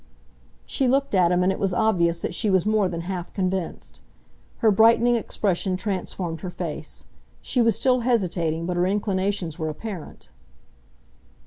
She looked at him and it was obvious that she was more than half convinced. Her brightening expression transformed her face. She was still hesitating, but her inclinations were apparent.